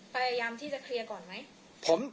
พยายามที่จะเคลียร์ก่อนไหม